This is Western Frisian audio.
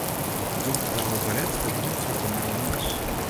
De donkerblauwe baret wurdt brûkt troch de mariniers.